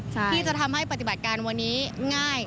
ที่จะทำให้ปฏิบัติการวันนี้ง่าย